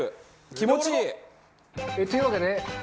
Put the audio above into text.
気持ちいい！というわけででは。